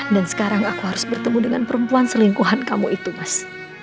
dan sekarang aku harus bertemu dengan perempuan selingkuhan kamu itu mas